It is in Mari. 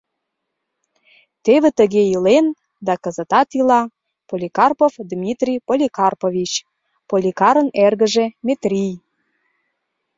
Теве тыге илен да кызытат ила Поликарпов Дмитрий Поликарпович, Поликарын эргыже Метрий.